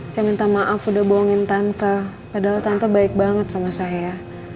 saya minta maaf udah bohongin tanta padahal tante baik banget sama saya